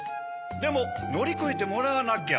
でものりこえてもらわなきゃ。